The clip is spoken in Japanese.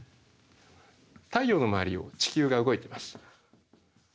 太陽の周りを地球が動いてます。